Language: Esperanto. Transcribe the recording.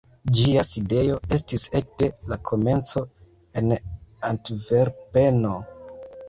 Ĝia sidejo estis ekde la komenco en Antverpeno.